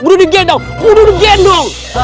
udah digedung udah digedung